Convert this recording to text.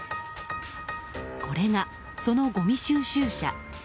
これがそのごみ収集車。